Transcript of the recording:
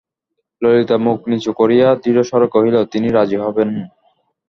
ললিতা মুখ নিচু করিয়া দৃঢ়স্বরে কহিল, তিনি রাজি হবেনই।